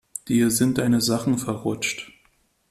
Dir sind deine Sachen verrutscht.